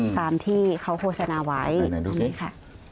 ตามที่เขาโฆษณาไว้นี่ค่ะ